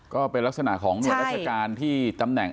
ก็เป็นลักษณะของรัฐกาลที่ตำแหน่ง